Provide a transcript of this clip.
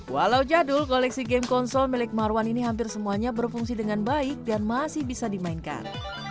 walau jadul koleksi game konsol milik marwan ini hampir semuanya berfungsi dengan baik dan masih bisa dimainkan